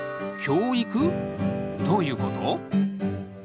教育？どういうこと？